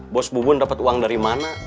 bos bubun dapat uang dari mana